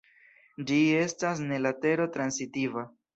Ĝi estas ne latero-transitiva.